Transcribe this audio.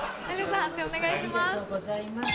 判定お願いします。